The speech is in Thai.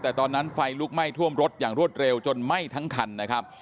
แต่ตอนนั้นไฟลุกไหม้ท่วมรถอย่างรวดเร็วจนไหม้ทั้งคันนะครับ